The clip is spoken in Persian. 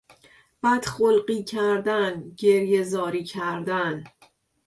بد خلقی کردن، گریهزاری کردن